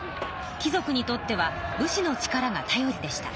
貴族にとっては武士の力がたよりでした。